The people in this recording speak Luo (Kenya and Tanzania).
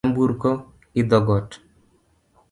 Nyamburko idho got